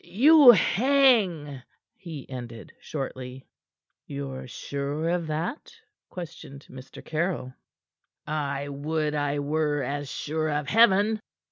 "You hang!" he ended shortly. "Ye're sure of that?" questioned Mr. Caryll. "I would I were as sure of Heaven."